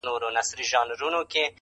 په تنور کي زېږېدلي په تنور کي به ښخیږي!